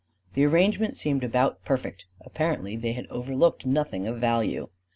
The arrangement seemed about perfect; apparently they had overlooked nothing of value.